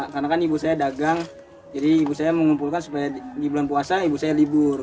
karena kan ibu saya dagang jadi ibu saya mengumpulkan supaya di bulan puasa ibu saya libur